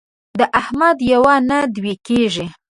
د احمد یوه نه دوې کېږي.